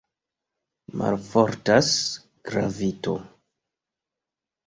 Malfortas gravito!